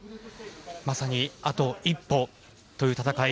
まさにあと一歩という戦い。